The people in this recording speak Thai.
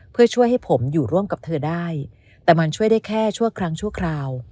เพื่อช่วยให้ผมอยู่ร่วมกับเธอได้แต่มันช่วยได้แค่ชั่วครั้งชั่วคราว